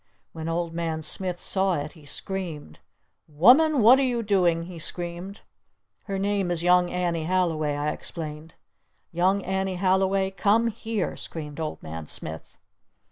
When Old Man Smith saw it he screamed. "Woman! What are you doing?" he screamed. "Her name is Young Annie Halliway," I explained. "Young Annie Halliway Come Here!" screamed Old Man Smith.